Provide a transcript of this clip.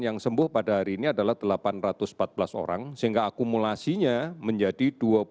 yang sembuh pada hari ini adalah delapan ratus empat belas orang sehingga akumulasinya menjadi dua puluh sembilan sembilan ratus sembilan belas